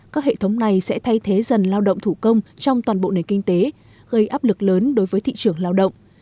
các hệ thống này sẽ thay thế dần lao động thủ công trong toàn bộ nền kinh tế gây áp lực lớn đối với thị trường lao động